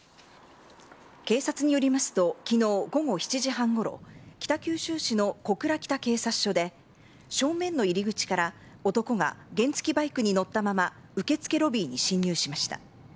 警察によりますと、きのう午後７時半ごろ、北九州市の小倉北警察署で、正面の入り口から、男が原付きバイクに乗ったまま、受付ロビーに侵入しました。